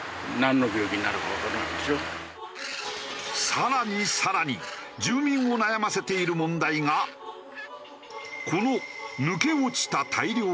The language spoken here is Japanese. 更に更に住民を悩ませている問題がこの抜け落ちた大量の羽。